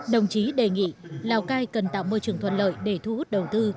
đồng chí đề nghị lào cai cần tạo môi trường thuận lợi để thu hút đầu tư